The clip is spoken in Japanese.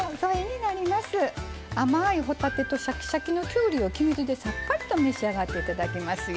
甘い帆立てとシャキシャキのきゅうりを黄身酢でさっぱりと召し上がって頂きますよ。